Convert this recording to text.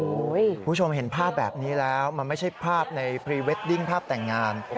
คุณผู้ชมเห็นภาพแบบนี้แล้วมันไม่ใช่ภาพในพรีเวดดิ้งภาพแต่งงาน